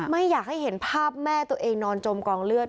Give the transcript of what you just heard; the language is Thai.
ไม่อยากให้เห็นภาพแม่ตัวเองนอนจมกองเลือด